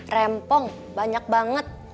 rempong banyak banget